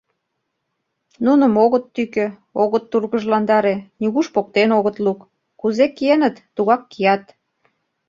Нуным огыт тӱкӧ, огыт тургыжландаре, нигуш поктен огыт лук: кузе киеныт, тугак кият.